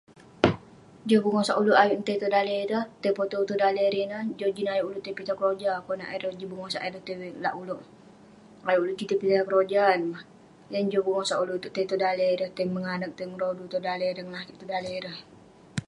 Joh bengosak uleuk ayuk neh tai tong daleh ireh, tai potew tong daleh ireh ineh, joh jin ayuk uleuk tai pitah keroja konak ireh jin bengosak ireh tai lak uleuk. Ayuk uleuk juk tai pitah keroja ineh mah..yan neh joh bengosak uleuk iteuk tai tong daleh ireh, ireh tai menganak tai ngerodu tong daleh ireh, tai ngalakeik tong daleh ireh.